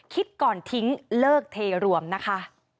คิดก่อนทิ้งเลิกเทรวมนะคะ